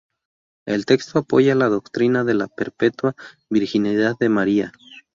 El texto apoya la doctrina de la perpetua virginidad de María.